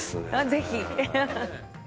ぜひ！